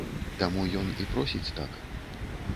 Таму ён і просіць так.